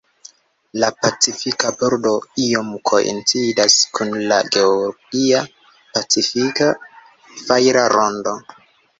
La "Pacifika Bordo" iom koincidas kun la geologia Pacifika fajra rondo.